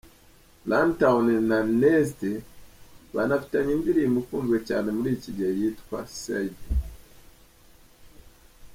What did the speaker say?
Runtown na Nasty banafitanye indirimbo ikunzwe cyane muri iki gihe yitwa “Said”.